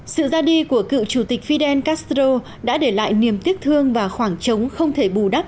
sự ra đi của cựu chủ tịch fidel castro đã để lại niềm tiếc thương và khoảng trống không thể bù đắp